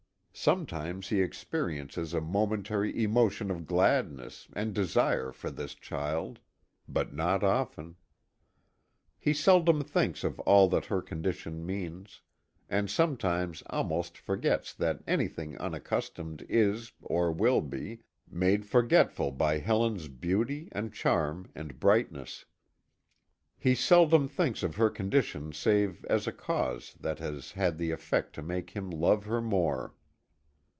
Sometimes he experiences a momentary emotion of gladness and desire for this child but not often. He seldom thinks of all that her condition means; and sometimes almost forgets that anything unaccustomed is or will be, made forgetful by Helen's beauty and charm and brightness. He seldom thinks of her condition save as a cause that has had the effect to make him love her more.